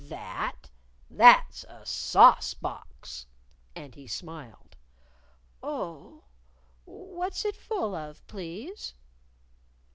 "That? That's a sauce box." And he smiled. "Oh! What's it full of, please?"